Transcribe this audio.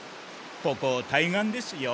ここ対岸ですよ。